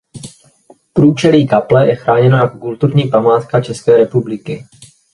Průčelí kaple je chráněno jako kulturní památka České republiky.